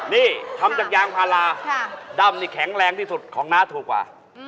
นี่ทำจากยางพาราด้ำนี่แข็งแรงที่สุดของน้าถูกกว่า